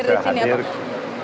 sudah hadir di sini ya pak